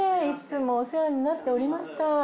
いつもお世話になっておりました。